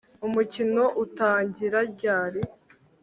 Umukino utangira ryari